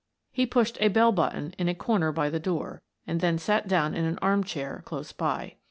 He pushed a bell button in a corner by the door, and then sat down in an armchair close by.